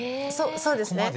そうですね。